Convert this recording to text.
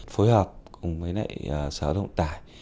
phối hợp cùng với nãy sở động tải